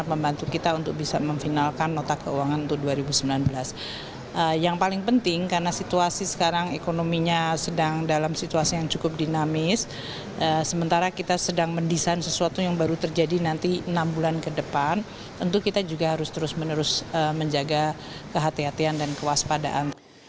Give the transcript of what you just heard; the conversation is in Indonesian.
tentu kita juga harus terus menerus menjaga kehatian dan kewaspadaan